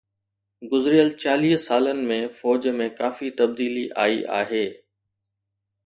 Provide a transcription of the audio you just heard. گذريل چاليهه سالن ۾ فوج ۾ ڪافي تبديلي آئي آهي